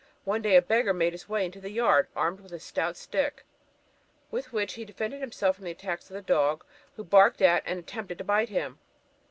One day a beggar made his way into the yard armed with a stout stick, with which he defended himself from the attacks of the dog, who barked at and attempted to bite him.